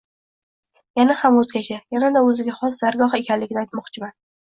yana ham o‘zgacha, yanada o‘ziga xos dargoh ekanligini aytmoqchiman.